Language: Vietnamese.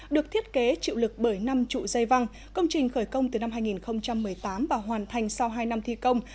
được thiết kế chịu lực bởi năm trụ dây văng công trình khởi công từ năm hai nghìn một mươi tám và hoàn thành sau hai năm thi công